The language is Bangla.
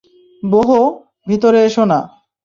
বোহ, ভিতরে এসো না।